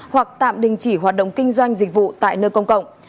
hoặc tạm đình chỉ hoạt động kinh doanh dịch vụ tại nơi công cộng